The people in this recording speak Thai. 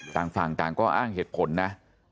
ต่างฝั่งต่างก็อ้างเหตุผลนะ